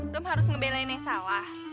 dob harus ngebelain yang salah